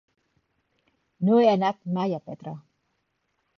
No he anat mai a Petra.